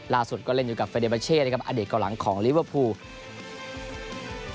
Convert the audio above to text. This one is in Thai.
ล่าสุดก็เล่นอยู่กับเฟรดีโปรเช่อเด็กเก่าหลังของลีเวอร์พูล